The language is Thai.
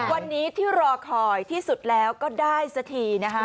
วันนี้ที่รอคอยที่สุดแล้วก็ได้สักทีนะคะ